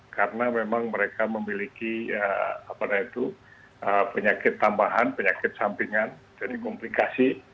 karena memang mereka memiliki penyakit tambahan penyakit sampingan jadi komplikasi